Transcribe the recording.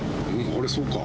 あれ、そうか？